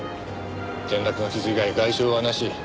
転落の傷以外に外傷はなし。